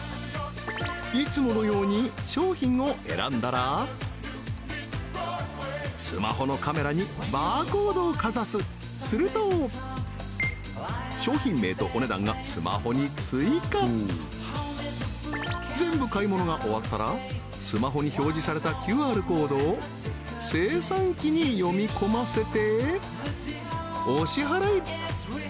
いつものように商品を選んだらスマホのカメラにバーコードをかざすすると商品名とお値段がスマホに追加全部買い物が終わったらスマホに表示されたＱＲコードを精算機に読み込ませてお支払い！